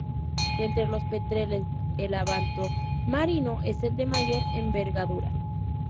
De entre los petreles el abanto marino es el de mayor envergadura.